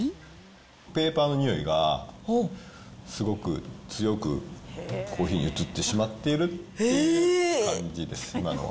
ペーパーのにおいが、すごく強くコーヒーに移ってしまっているっていう感じですね、今のは。